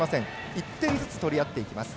１点ずつ取っていきます。